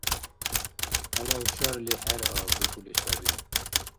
Алавчарли хӀерра бикӀули саби.